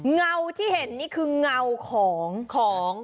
เงาที่เห็นนี่คือเงาของของ